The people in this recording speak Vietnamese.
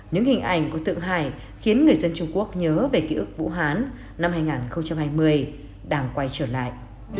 những hình ảnh của tượng hải khiến người dân trung quốc nhớ về ký ức vũ hán năm hai nghìn hai mươi đang quay trở lại